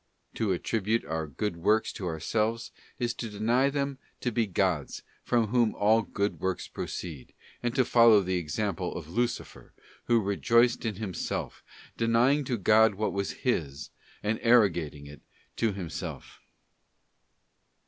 To attribute our good works to ourselves isto deny them to be God's, from whom all good works proceed, and to follow the example of Lucifer, who rejoiced in himself, denying to God what was His, and arro gating it to himself.